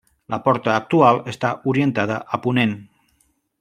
La porta actual està orientada a ponent.